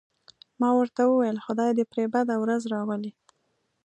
ما ورته وویل: خدای دې پرې بده ورځ راولي.